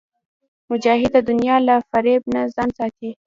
مجاهد د دنیا له فریب نه ځان ساتي.